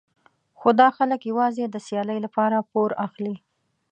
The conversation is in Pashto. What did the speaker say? خو دا خلک یوازې د سیالۍ لپاره پور اخلي.